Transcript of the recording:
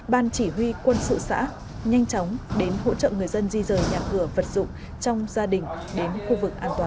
ban chỉ huy quân sự xã nhanh chóng đến hỗ trợ người dân di rời nhà cửa vật dụng trong gia đình đến khu vực an toàn